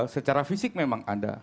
secara fisik memang ada